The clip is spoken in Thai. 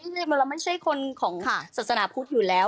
จริงเราไม่ใช่คนของศาสนาพุทธอยู่แล้ว